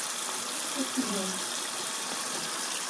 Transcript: Ad t-tgeḍ.